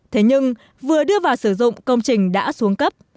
thế nhưng vừa đưa vào sử dụng công trình đã xuống cấp